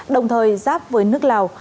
đồng thời sáp với nước lào